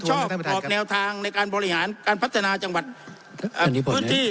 ชอบออกแนวทางในการบริหารการพัฒนาจังหวัดพื้นที่